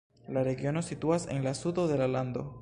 La regiono situas en la sudo de la lando.